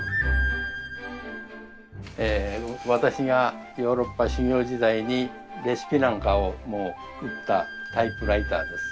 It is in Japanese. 私がヨーロッパ修業時代にレシピなんかも打ったタイプライターです。